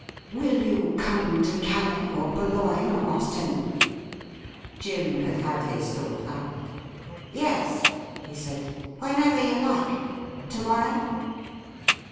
' Will you come to Calais, or Boulogne, or Ostend ?' Jim had had his thought out. ' Yes,' he said. ' Whenever you like. To morrow